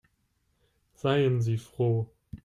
Seien Sie froh.